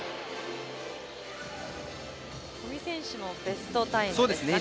五味選手もベストタイムですかね。